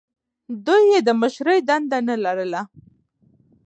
دوی یې د مشرۍ دنده نه لرله.